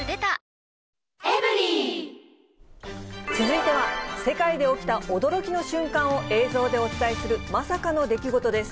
トーンアップ出た続いては、世界で起きた驚きの瞬間を映像でお伝えするまさかの出来事です。